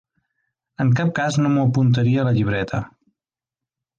En cap cas no m'ho apuntaria a la llibreta.